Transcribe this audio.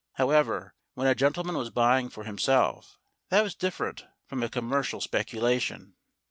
However, when a gentleman was buying for himself, that was different from a commercial speculation.